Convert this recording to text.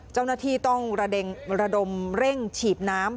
เจ้าหน้าที่ต้องระดมเร่งฉีดน้ำ